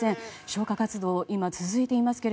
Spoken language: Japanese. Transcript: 消火活動は今も続いています。